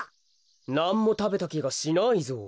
なんもたべたきがしないぞう。